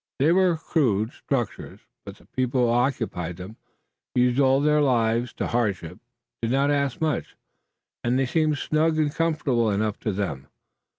They were rude structures, but the people who occupied them, used all their lives to hardships, did not ask much, and they seemed snug and comfortable enough to them.